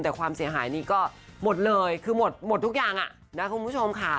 แต่ความเสียหายนี้ก็หมดเลยคือหมดทุกอย่างนะคุณผู้ชมค่ะ